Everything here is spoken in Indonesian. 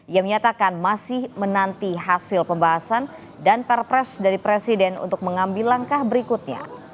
ia menyatakan masih menanti hasil pembahasan dan perpres dari presiden untuk mengambil langkah berikutnya